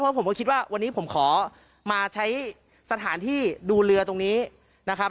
เพราะผมก็คิดว่าวันนี้ผมขอมาใช้สถานที่ดูเรือตรงนี้นะครับ